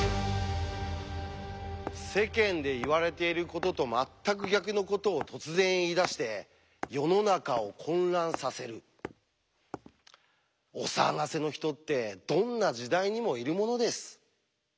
世間で言われていることと全く逆のことを突然言いだして世の中を混乱させるお騒がせの人ってどんな時代にもいるものです。